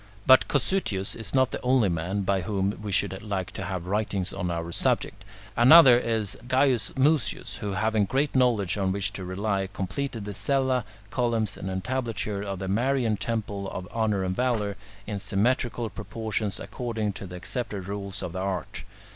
But Cossutius is not the only man by whom we should like to have writings on our subject. Another is Gaius Mucius, who, having great knowledge on which to rely, completed the cella, columns, and entablature of the Marian temple of Honour and Valour, in symmetrical proportions according to the accepted rules of the art.